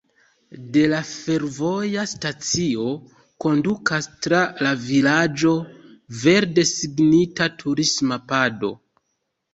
De la fervoja stacio kondukas tra la vilaĝo verde signita turisma pado.